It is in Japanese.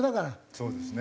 そうですね。